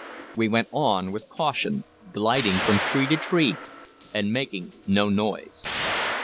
We went on with caution, gliding from tree to tree and making no noise.